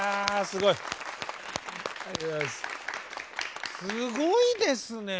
すごいですね。